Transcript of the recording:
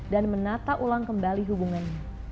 dan menata ulang kembali hubungannya